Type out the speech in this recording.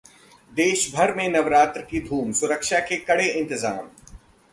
देशभर में नवरात्र की धूम, सुरक्षा के कड़े इंतजाम